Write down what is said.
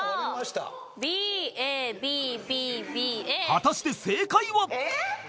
［果たして正解は］